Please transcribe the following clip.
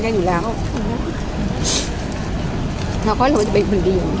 ภาษาสนิทยาลัยสุดท้าย